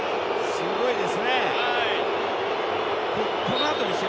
すごいですね。